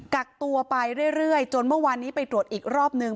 กักตัวไปเรื่อยจนเมื่อวานนี้ไปตรวจอีกรอบนึง